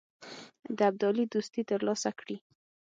د ابدالي دوستي تر لاسه کړي.